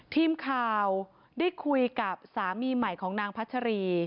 ทีมข่าวได้คุยกับสามีใหม่ของนางพัชรี